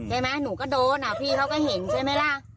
หนูก็โดนพี่เค้าก็เห็นใช่มะล่ะ